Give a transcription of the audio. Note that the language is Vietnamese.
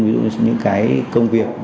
ví dụ như những cái công việc